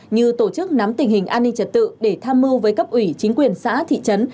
như tổ chức nắm tình hình an ninh trật tự để tham mưu với cấp ủy chính quyền xã thị trấn